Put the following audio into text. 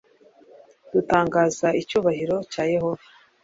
dutangaza icyubahiro cya yehova